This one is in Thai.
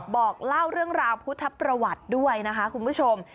บอกเล่าเรื่องราวพุทธประวัติด้วยนะคะคุณผู้ชม